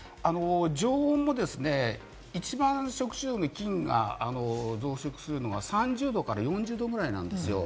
常温も一番、食中毒の菌が増殖するのが３０度から４０度ぐらいなんですよ。